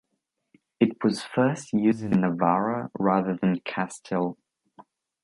It was first used in Navarra, rather than Castile.